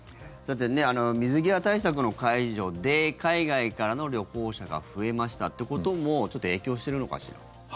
水際対策の解除で海外からの旅行者が増えましたってこともちょっと影響してるのかしら。